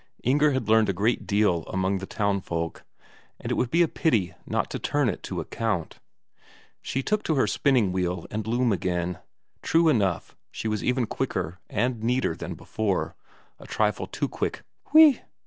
Inger had learned a deal among the town folk, and it would be a pity not to turn it to account. She took to her spinning wheel and loom again true enough, she was even quicker and neater than before a trifle too quick hui!